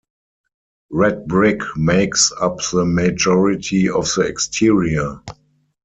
Red brick makes up the majority of the exterior.